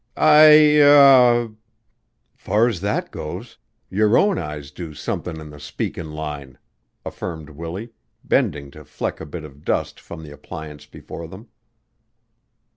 "I eh " "Fur's that goes, your own eyes do somethin' in the speakin' line," affirmed Willie, bending to fleck a bit of dust from the appliance before them.